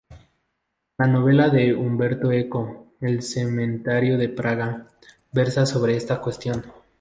La novela de Umberto Eco "El cementerio de Praga" versa sobre esta cuestión.